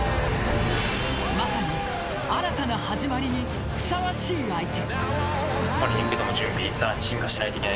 まさに新たな始まりにふさわしい相手。